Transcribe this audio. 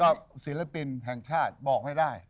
ศิลปินแห่งชาติบอกไม่ได้